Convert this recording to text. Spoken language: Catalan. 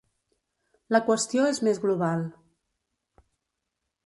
La qüestió és més global.